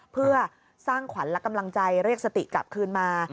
เพื่อสร้างขวัญและกำลังใจเรียกสติกลับคืนมา